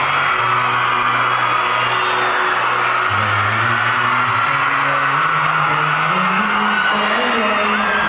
มันยังไม่เป็นไรมันยังไม่มีแสน